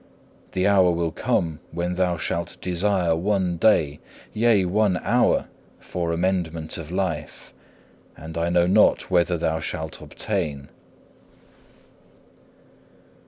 The hour will come when thou shalt desire one day, yea, one hour, for amendment of life, and I know not whether thou shalt obtain.